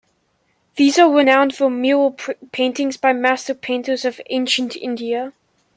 These are renowned for mural paintings by master painters of ancient India.